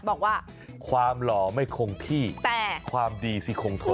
บอกว่าความหล่อไม่คงที่แต่ความดีสิคงทน